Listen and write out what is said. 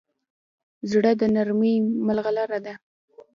زړه د نرمۍ مرغلره ده.